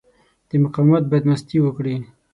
د مقاومت بدمستي وکړي.